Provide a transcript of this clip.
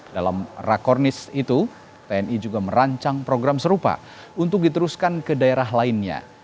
dalam rakornis itu tni juga merancang program serupa untuk diteruskan ke daerah lainnya